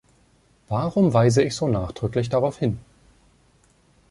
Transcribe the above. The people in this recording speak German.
Warum weise ich so nachdrücklich darauf hin?